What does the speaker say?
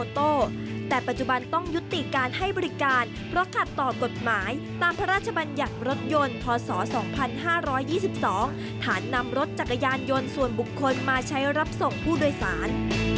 ฐานนำรถจักรยานยนต์ส่วนบุคคลมาใช้รับส่งผู้โดยสาร